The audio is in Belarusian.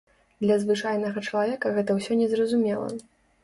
Для звычайнага чалавека гэта ўсё не зразумела.